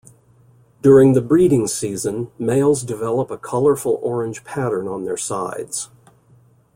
During the breeding season, males develop a colorful orange pattern on their sides.